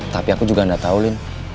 tapi aku juga gak tau lin